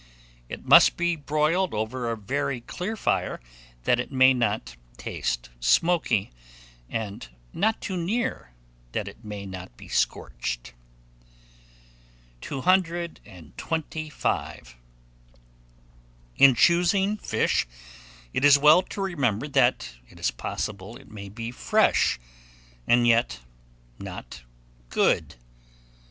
It must be broiled over a very clear fire, that it may not taste smoky; and not too near, that it may not be scorched. 225. IN CHOOSING FISH, it is well to remember that it is possible it may be fresh, and yet not good.